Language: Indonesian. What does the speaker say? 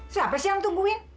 siapa sih yang nungguin